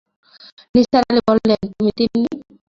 নিসার আলি বললেন, তুমি তিন্নি?